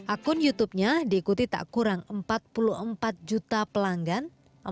akun youtubenya diikuti tak kurang empat puluh empat juta pelanggan